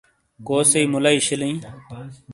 کوسئیی مُلئی شِیلیئں؟